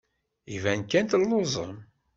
Iban kan telluẓem.